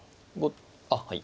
あっはい。